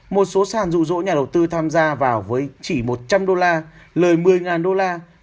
một số sàn rụ rỗ nhà đầu tư tham gia vào với chỉ một trăm linh đô la lời một mươi đô la